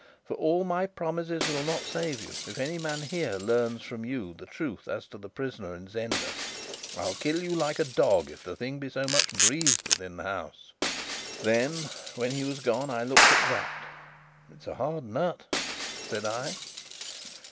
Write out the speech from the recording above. For all my promises will not save you if any man here learns from you the truth as to the prisoner of Zenda. I'll kill you like a dog if the thing be so much as breathed within the house!" Then, when he was gone, I looked at Sapt. "It's a hard nut!" said I.